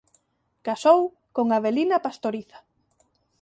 Casou con Avelina Pastoriza.